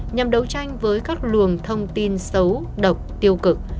nhằm đấu tranh với các luồng thông tin xấu độc tiêu cực